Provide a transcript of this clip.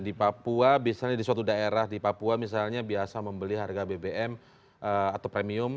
di papua misalnya di suatu daerah di papua misalnya biasa membeli harga bbm atau premium